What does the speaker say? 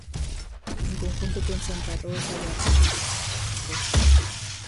En conjunto con Santa Rosa de Arriba, forman Santa Rosa.